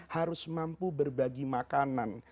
harus mampu berbagi makanan